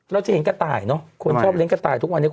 เราจะเห็นกระต่ายเนอะคนชอบเลี้ยกระต่ายทุกวันนี้